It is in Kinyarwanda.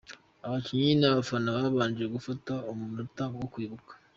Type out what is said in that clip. Abakinnyi n’abafana babanje gufata umunota wo kwibuka.